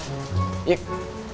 kalau enggak lu kasih tau gua deh